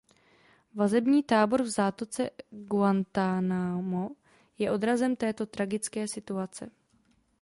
Vazební tábor v zátoce Guantánamo je odrazem této tragické situace.